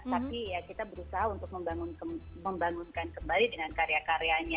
tapi ya kita berusaha untuk membangunkan kembali dengan karya karyanya